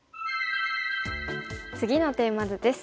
次のテーマ図です。